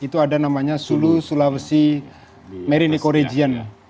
itu ada namanya sulu sulawesi marine ecoregion